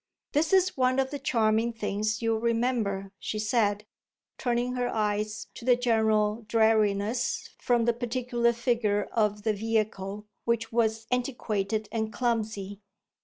"This is one of the charming things you'll remember," she said, turning her eyes to the general dreariness from the particular figure of the vehicle, which was antiquated and clumsy.